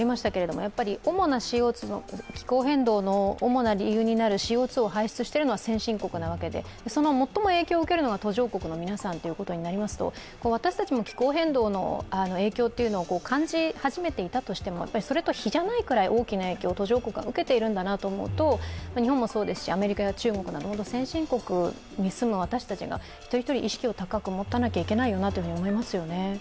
気候変動の主な理由になるＣＯ２を排出しているのが先進国なわけで、その最も影響を受けるのが途上国の皆さんということになりますと、私たちも気候変動の影響を感じ始めていたとしても、それと比じゃないくらい大きな影響を途上国が受けているんだなと思うと日本もそうですし、アメリカや中国などもともと先進国に住む私たちが一人一人意識を高く持たなきゃいけないなとも思いますよね。